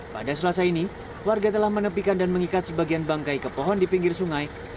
pada selasa ini warga telah menepikan dan mengikat sebagian bangkai ke pohon di pinggir sungai